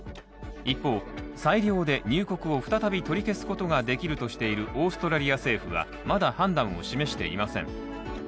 一方、裁量で入国を再び取り消すことができるとしているオーストラリア政府は、まだ判断を示していません。